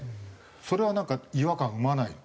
それはなんか違和感生まないの？